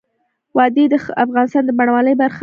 وادي د افغانستان د بڼوالۍ برخه ده.